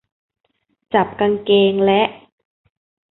จับกางเกงและ